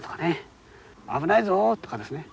「危ないぞ！」とかですね